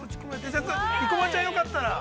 生駒ちゃん、よかったら。